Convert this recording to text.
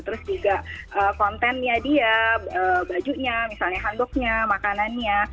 terus juga kontennya dia bajunya misalnya handuknya makanannya